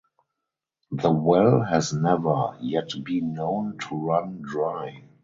The well has never yet been known to run dry.